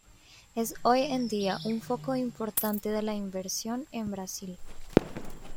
Es hoy en día un foco importante de la inversión en Brasil.